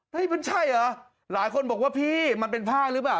มันใช่เหรอหลายคนบอกว่าพี่มันเป็นผ้าหรือเปล่า